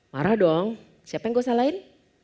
marah dong siapa yang gue salahin